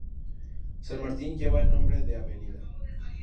San Martín lleva el nombre de Av.